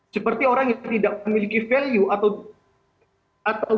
seperti orang yang tidak memiliki value